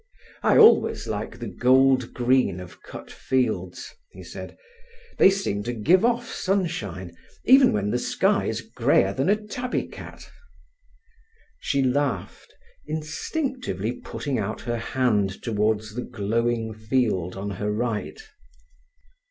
"I always like the gold green of cut fields," he said. "They seem to give off sunshine even when the sky's greyer than a tabby cat." She laughed, instinctively putting out her hand towards the glowing field on her right.